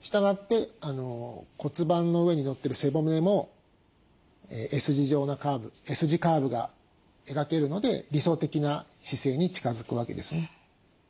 したがって骨盤の上にのってる背骨もＳ字状なカーブＳ字カーブが描けるので理想的な姿勢に近づくわけですね。